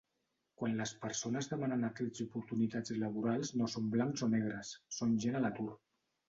Quant les persones demanen a crits oportunitats laborals no són blancs o negres, són gent a l'atur.